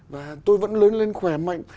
và tôi vẫn lớn lên khỏe mạnh